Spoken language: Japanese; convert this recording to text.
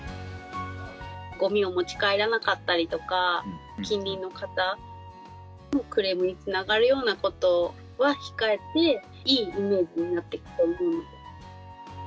ごみを持ち帰らなかったりとか、近隣の方のクレームにつながるようなことは控えて、いいイメージになっていくといいな。